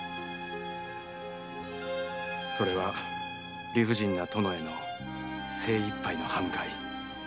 それは理不尽な殿への精一杯の刃向かい。